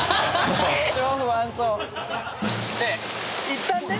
いったんね。